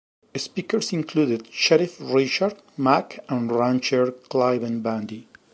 Speakers included Sheriff Richard Mack and rancher Cliven Bundy.